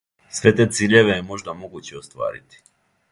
Све те циљеве је можда могуће остварити.